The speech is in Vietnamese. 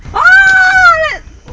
có lửa ở đây